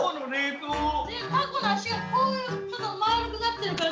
タコの足がちょっとまるくなってるから。